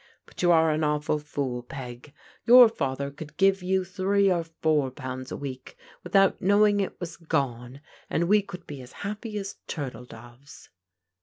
But you are an awful fool. Peg. Your father could give you three or four pounds a week with out knowing it was gone, and we could be as happy as turtle doves."